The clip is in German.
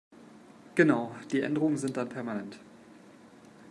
Genau, die Änderungen sind dann permanent.